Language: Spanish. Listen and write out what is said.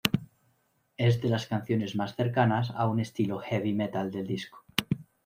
Es de las canciones más cercanas a un estilo Heavy metal del disco.